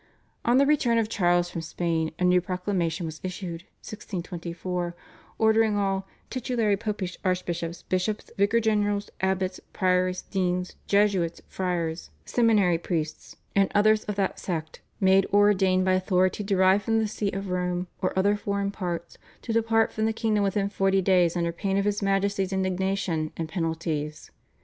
On the return of Charles from Spain a new proclamation was issued (1624) ordering all "titulary popish archbishops, bishops, vicars general, abbots, priors, deans, Jesuits, friars, seminary priests, and others of that sect, made or ordained by authority derived from the See of Rome or other foreign parts to depart from the kingdom within forty days under pain of his Majesty's indignation and penalties.